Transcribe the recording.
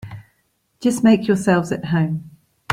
Just make yourselves at home.